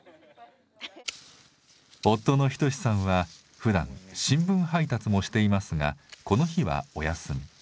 夫の仁之さんはふだん新聞配達もしていますがこの日はお休み。